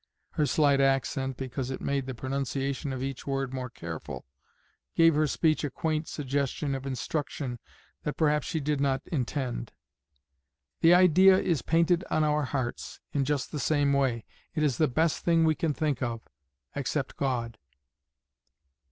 (Her slight accent, because it made the pronunciation of each word more careful, gave her speech a quaint suggestion of instruction that perhaps she did not intend.) "The idea is painted on our hearts in just the same way; it is the best thing we can think of, except God."